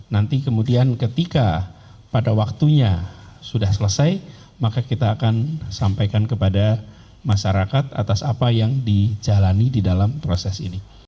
nanti kemudian ketika pada waktunya sudah selesai maka kita akan sampaikan kepada masyarakat atas apa yang dijalani di dalam proses ini